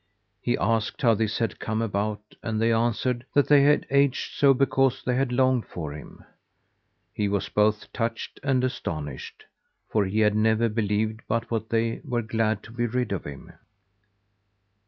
He asked how this had come about, and they answered that they had aged so because they had longed for him. He was both touched and astonished, for he had never believed but what they were glad to be rid of him.